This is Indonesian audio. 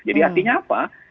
jadi artinya apa